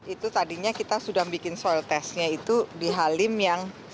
itu tadinya kita sudah bikin soil testnya itu di halim yang